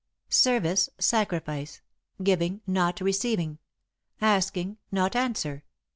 "Service, sacrifice. Giving, not receiving; asking, not answer."